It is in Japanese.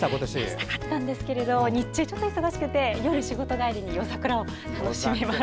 したかったんですけど日中ちょっと忙しくて夜、仕事帰りに夜桜を楽しみました。